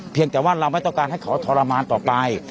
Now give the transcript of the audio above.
แต่ว่าเราไม่ต้องการให้เขาทรมานต่อไป